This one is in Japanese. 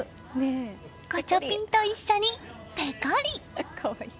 ガチャピンと一緒にペコリ。